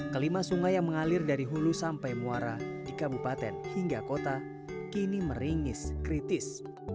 kelima sungai yang mengalir dari hulu sampai muara di kabupaten hingga kota kini meringis kritis